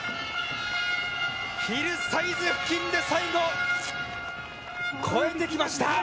ヒルサイズ付近で最後、越えてきました。